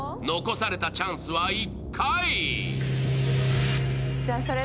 残されたチャンスは１回。